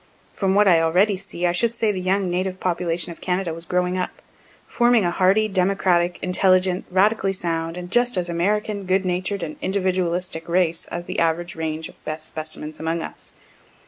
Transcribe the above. From what I already see, I should say the young native population of Canada was growing up, forming a hardy, democratic, intelligent, radically sound, and just as American, good natured and individualistic race, as the average range of best specimens among us.